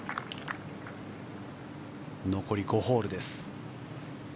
残り５ホールです。